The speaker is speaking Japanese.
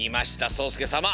そうすけさま。